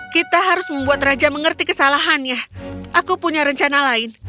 kita harus membuat raja mengerti kesalahannya aku punya rencana lain